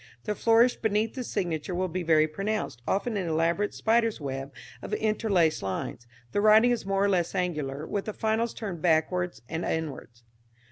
The flourish beneath the signature will be very pronounced, often an elaborate spider's web of interlaced lines. The writing is more or less angular with the finals turned backwards and inwards.